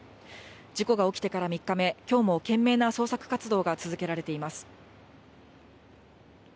事故が起きてから３日目、きょうも懸命な捜索活動が続けられています。